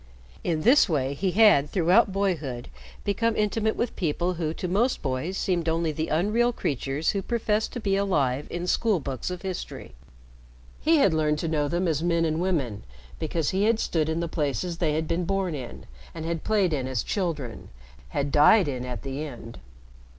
In this way, he had throughout boyhood become intimate with people who to most boys seemed only the unreal creatures who professed to be alive in school books of history. He had learned to know them as men and women because he had stood in the palaces they had been born in and had played in as children, had died in at the end.